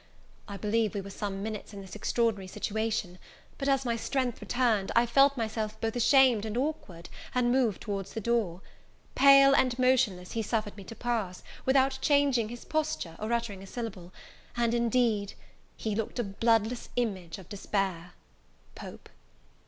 I believe we were some minutes in this extraordinary situation; but, as my strength returned, I felt myself both ashamed and awkward, and moved towards the door. Pale and motionless, he suffered me to pass, without changing his posture, or uttering a syllable; and, indeed, He look'd a bloodless image of despair. POPE.